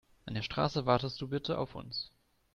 An der Straße wartest du bitte auf uns.